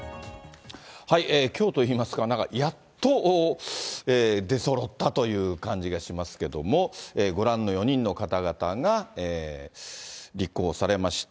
きょうといいますか、やっと出そろったという感じがしますけども、ご覧の４人の方々が立候補されました。